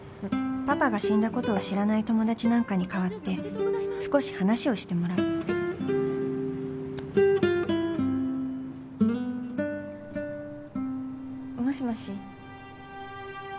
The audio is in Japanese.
パパが死んだことを知らない友達なんかに代わって少し話をしてもらうもしもし。